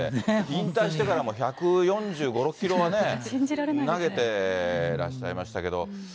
引退してからも１４５、６キロはね、投げてらっしゃいましたけども。